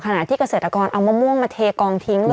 ที่เกษตรกรเอามะม่วงมาเทกองทิ้งเลย